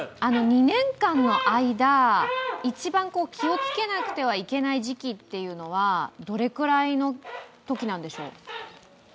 ２年間の間、一番気をつけなくてはいけない時期というのはどれくらいのときなんでしょう？